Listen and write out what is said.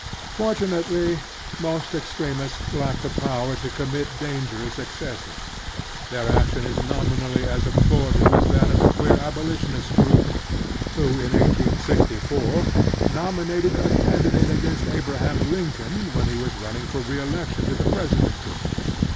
Fortunately, most extremists lack the power to commit dangerous excesses. Their action is nor mally as abortive as that of the queer abolitionist 52 The Strenuous Life group who, in 1864, nominated a candidate against Abraham Lincobi when he was running for re election to the Presidency.